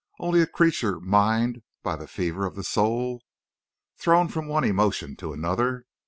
"Only a creature mined by the fever of the soul!... Thrown from one emotion to another?